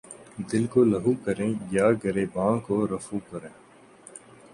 دل کو لہو کریں یا گریباں رفو کریں